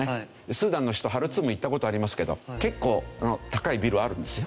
スーダンの首都ハルツームに行った事ありますけど結構高いビルあるんですよ。